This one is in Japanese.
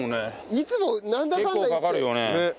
いつもなんだかんだいって。